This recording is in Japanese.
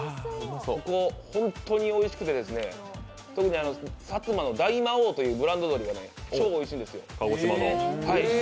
ここ、本当においしくて特に薩摩の大摩桜というブランド鶏が美味しいんですよ。